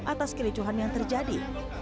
atas kericuhan yang terjadi